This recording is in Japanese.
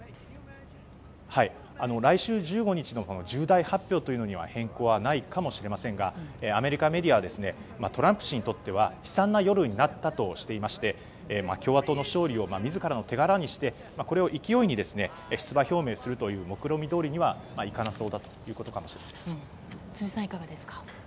来週１５日の重大発表というのに変更はないかもしれませんがアメリカメディアはトランプ氏にとっては悲惨な夜になったとしていまして共和党の勝利を自らの手柄にしてこれを勢いに出馬表明するという目論見どおりにはいかなさそうだ辻さん、いかがですか。